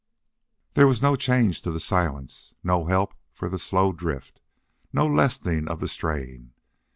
There was no change to the silence, no help for the slow drift, no lessening of the strain.